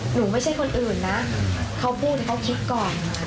ไม่ใช่คนอื่นนะเขาพูดเขาคิดก่อน